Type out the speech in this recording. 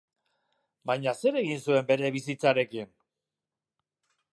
Baina zer egin zuen bere bizitzarekin?